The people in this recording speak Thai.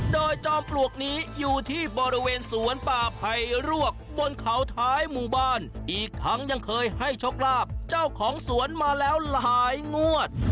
โดยจอมปลวกนี้อยู่ที่บริเวณสวนป่าไพรวกบนเขาท้ายหมู่บ้านอีกทั้งยังเคยให้โชคลาภเจ้าของสวนมาแล้วหลายงวด